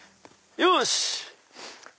よし！